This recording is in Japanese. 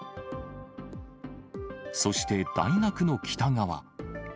そして大学の北側。